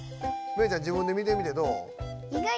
メイちゃん自分で見てみてどう？